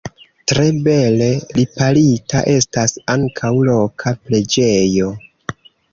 Tre bele riparita estas ankaŭ loka preĝejo.